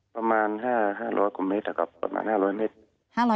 ประมาณ๕๐๐เมตร